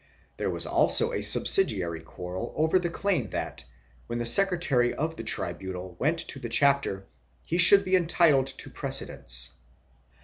There was also a subsidiary quarrel over the claim that, when the secretary of the tribunal went to the chapter, he should be entitled to prece dence.